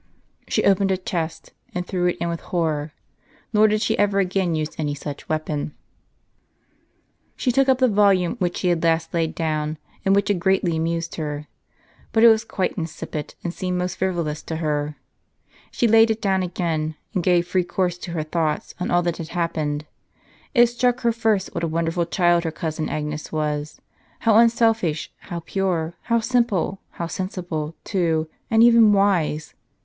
She opened a chest, and threw it in with horror; nor did she ever again use any such weapon. Yolmnina., from a painting of Pompeii. Scrinium, from a picture in tbe Cemetery of St. Callistns. She took up the volume which she had last laid down, and wdiich had greatly amused her ; but it W' as quite insipid, and seemed most frivolous to her. She laid it down again, and gave free course to her thoughts on all that had hap pened. It struck her first what a wonderful child her cousin Agnes was, — ^liow unselfish, how pure, how simple; how sensible, too, and even wise!